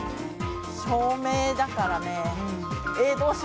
照明だからね。